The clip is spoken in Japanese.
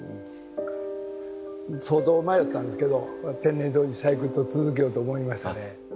相当迷ったんですけど天然砥石採掘を続けようと思いましたね。